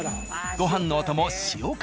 ご飯のお供塩辛。